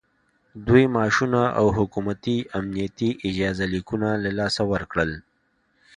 دوی معاشونه او حکومتي امنیتي اجازه لیکونه له لاسه ورکړل